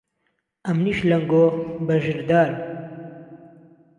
ئهمنيش لهنگۆ بەژردارم